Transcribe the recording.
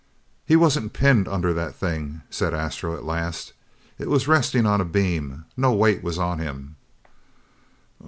"He wasn't pinned under that thing," said Astro at last. "It was resting on a beam. No weight was on him."